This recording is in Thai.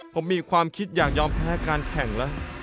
ผมมีความคิดอยากยอมแพ้การแข่งแล้ว